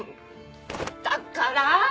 だからー！